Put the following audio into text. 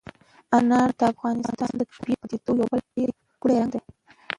انار د افغانستان د طبیعي پدیدو یو بل ډېر ښکلی رنګ دی.